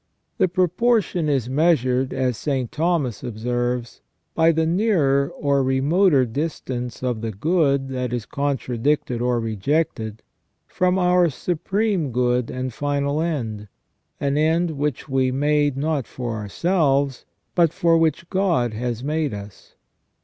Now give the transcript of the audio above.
This proportion is measured, as St. Thomas observes, by the nearer or remoter distance of the good that is contra dicted or rejected from our supreme good and final end, an end which we made not for ourselves, but for which God has made us.